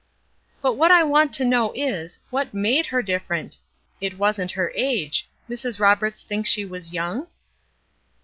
"But what I want to know is, what made her different? It wasn't her age. Mrs. Roberts thinks she was young?"